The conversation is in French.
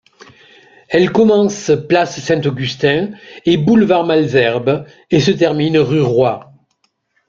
Elle commence place Saint-Augustin et boulevard Malesherbes et se termine rue Roy.